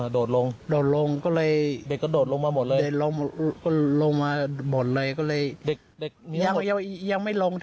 โดดลงโดดลงก็เลยเด็กกระโดดลงมาหมดเลยลงมาหมดเลยก็เลยเด็กยังไม่ลง